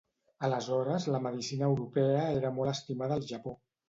Aleshores la medicina europea era molt estimada al Japó.